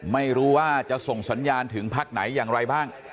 ไม่รู้ว่าจะส่งสัญญาณถึงพักไหนอย่างไรบ้าง